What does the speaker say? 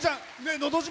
「のど自慢」